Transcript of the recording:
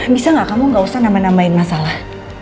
bisa gak kamu gak usah nambah nambahin masalah